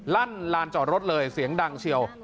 ลั่นลานจอดรถเลยเสียงดังเชียว